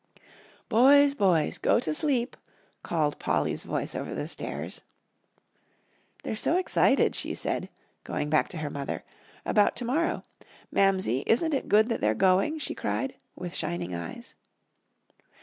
"Boys boys, go to sleep," called Polly's voice over the stairs. "They're so excited," she said, going back to her mother, "about tomorrow. Mamsie, isn't it good that they're going?" she cried, with shining eyes.